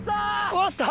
終わった。